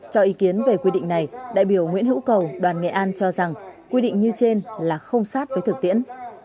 cho ý kiến về quy định này đại biểu nguyễn hữu cầu đoàn nghệ an cho rằng quy định như trên là không sát với thực tiễn